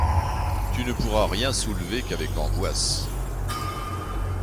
Tu ne pourras rien soulever qu’avec angoisse.